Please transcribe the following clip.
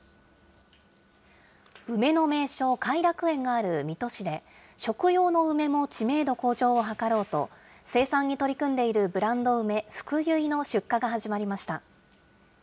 梅の名所、偕楽園がある水戸市で、食用の梅も知名度向上を図ろうと、生産に取り組んでいるブランド梅、ふくゆいの出荷が始まりました。